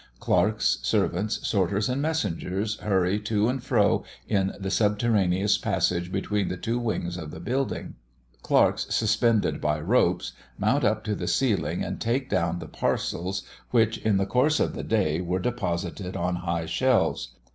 Clerks, servants, sorters, and messengers, hurry to and fro in the subterraneous passage between the two wings of the building. Clerks suspended by ropes, mount up to the ceiling and take down the parcels which, in the course of the day, were deposited on high shelves.